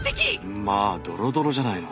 ンマァドロドロじゃないの！